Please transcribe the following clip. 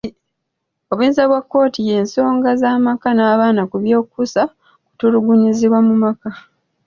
Obuyinza bwa kkooti y'ensonga z'amaka n'abaana ku byekuusa ku kutulugunyizibwa mu maka.